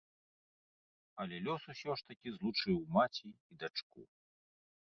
Але лёс усё ж такі злучыў маці і дачку.